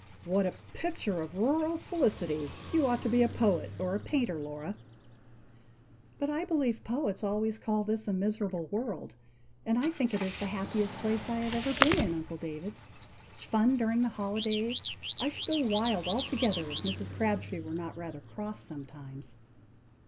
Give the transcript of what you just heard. "What a picture of rural felicity! You ought to be a poet or a painter, Laura!" "But I believe poets always call this a miserable world: and I think it the happiest place I have ever been in, uncle David! Such fun during the holidays! I should go wild altogether, if Mrs. Crabtree were not rather cross sometimes."